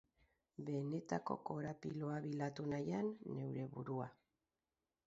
Benetako korapiloa bilatu nahian, neure burua.